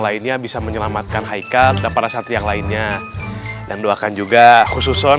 lainnya bisa menyelamatkan haikal dan para satri yang lainnya dan doakan juga khusus on